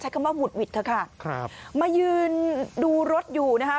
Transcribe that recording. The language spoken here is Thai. คำว่าหุดหวิดเถอะค่ะครับมายืนดูรถอยู่นะคะ